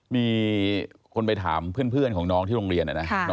มีคนไปถามเพื่อนของน้องที่โรงเรียนนะ